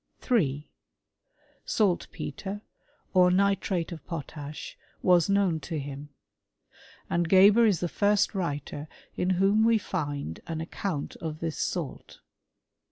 * 3. Saltpetre, or nitrate of potash, was known to him ; and Geber is the first writer in whom we find an^ account of this salt.